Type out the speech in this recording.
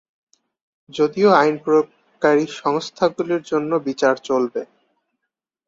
যদিও আইন প্রয়োগকারী সংস্থাগুলির জন্য বিচার চলবে।